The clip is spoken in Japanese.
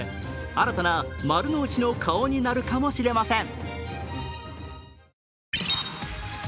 新たな丸の内の顔になるかもしれません。